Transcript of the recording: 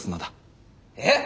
えっ！？